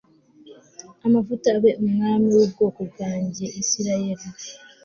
amavuta abe umwami w ubwoko bwanjye isirayeli